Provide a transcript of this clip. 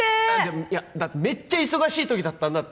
いやだってめっちゃ忙しい時だったんだって。